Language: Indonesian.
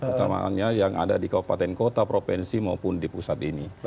utamanya yang ada di kabupaten kota provinsi maupun di pusat ini